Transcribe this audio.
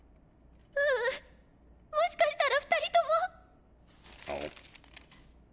ううんもしかしたら２人とも！あむっ。